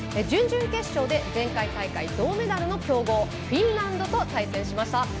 準々決勝で前回大会銅メダルの強豪フィンランドと対戦しました。